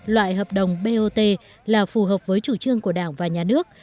loại hợp đồng bot là phù hợp với chủ trương của đảng và nhà nước